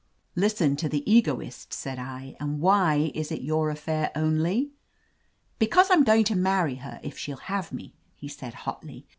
"Listen to tlie^ egoist !" said I. "And why is it your aflfair only." "Because I'm going to many her, if shell have me," he said hotly.